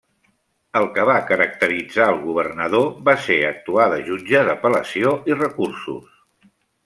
El que va caracteritzar el governador va ser actuar de jutge d'apel·lació i recursos.